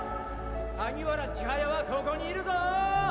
萩原千速はここにいるぞ！